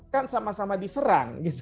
kan sama sama diserang